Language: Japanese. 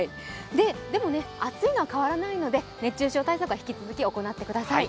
でも暑いのは変わらないので熱中症対策は引き続き行ってください。